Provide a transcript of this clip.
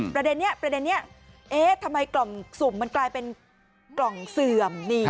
ประเด็นนี้ประเด็นนี้เอ๊ะทำไมกล่องสุ่มมันกลายเป็นกล่องเสื่อม